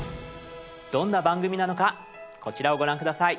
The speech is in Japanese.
どんな番組なのかこちらをご覧下さい。